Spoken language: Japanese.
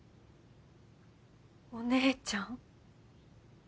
お姉ちゃん？